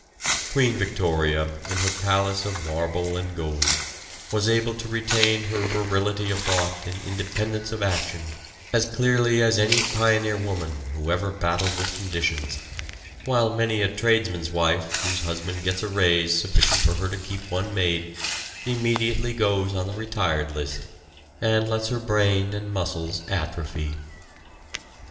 Queen Victoria, in her palace of marble and gold, was able to retain her virility of thought and independence of action as clearly as any pioneer woman who ever battled with conditions, while many a tradesman's wife whose husband gets a raise sufficient for her to keep one maid, immediately goes on the retired list, and lets her brain and muscles atrophy.